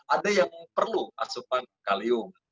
ada yang perlu asupan kalium